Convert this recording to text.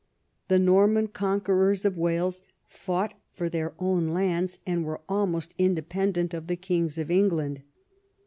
The Norman conquerors of Wales fought for their own hands and were almost independent of the kings of England.